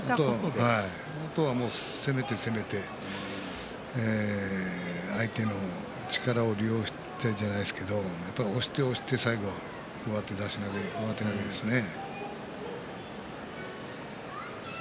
あとは攻めて攻めて相手の力を利用してじゃないですけど押して押して最後は上手出し投げ上手投げですよね。